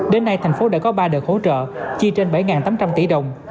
đến nay thành phố đã có ba đợt hỗ trợ chi trên bảy tám trăm linh tỷ đồng